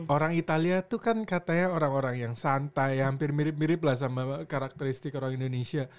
orang italia itu kan katanya orang orang yang santai hampir mirip mirip lah sama karakteristik orang indonesia